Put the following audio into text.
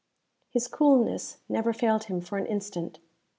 His coolness never failed him for an instant.